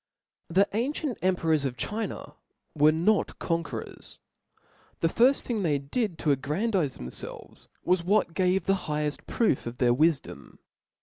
The ancient emperors of China were not con querors. The firft thing they did to a^randize rhemfelves, was what gave the higheft proof of their wifdom.